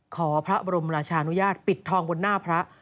ขอพระบรมราชานุญาตปิดทองบนหน้าพระ